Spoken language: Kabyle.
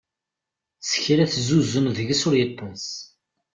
Sekra tezzuzzen deg-s ur yeṭṭis.